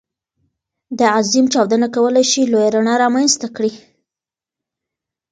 دا عظيم چاودنه کولی شي لویه رڼا رامنځته کړي.